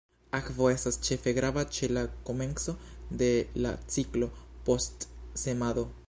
Akvo estas ĉefe grava ĉe la komenco de la ciklo, post semado.